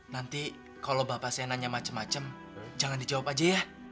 nanti kalau bapak saya nanya macam macam jangan dijawab aja ya